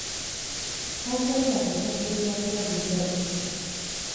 Tasobola kusasulira kulabirira lubuto.